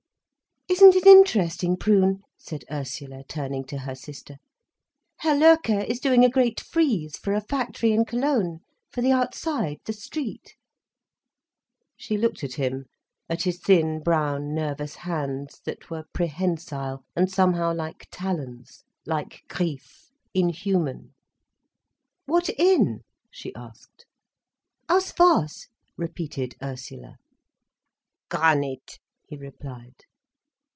"Isn't it interesting, Prune," said Ursula, turning to her sister, "Herr Loerke is doing a great frieze for a factory in Cologne, for the outside, the street." She looked at him, at his thin, brown, nervous hands, that were prehensile, and somehow like talons, like "griffes," inhuman. "What in?" she asked. "Aus was?" repeated Ursula. "Granit," he replied.